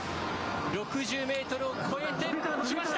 ６０メートルを超えて、きました！